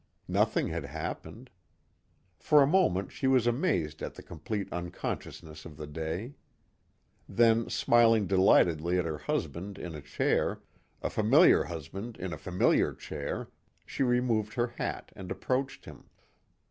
Nothing had happened. For a moment she was amazed at the complete unconsciousness of the day. Then smiling delightedly at her husband in a chair, a familiar husband in a familiar chair, she removed her hat and approached him.